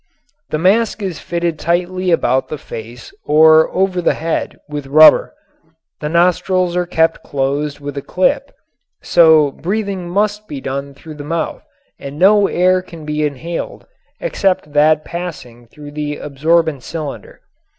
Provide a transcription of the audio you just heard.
The mask is fitted tightly about the face or over the head with rubber. The nostrils are kept closed with a clip so breathing must be done through the mouth and no air can be inhaled except that passing through the absorbent cylinder.